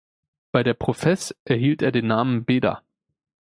Bei der Profess erhielt er den Namen Beda.